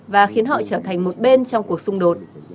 và khiến họ trở thành một bên trong cuộc xung đột